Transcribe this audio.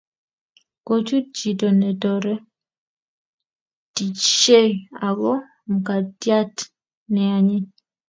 Kochut chito netoretishie ago mkatiat neanyiny